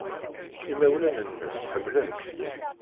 Imawlan-nnes ḥemmlen-k.